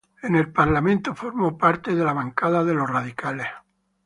En el parlamento hizo parte de la bancada de los radicales.